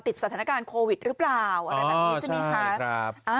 ติดสถานการณ์โควิดหรือเปล่านั้นก็นี่ชันตินี้คะ